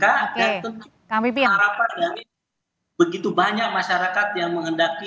dan tentu harapan dari begitu banyak masyarakat yang menghendaki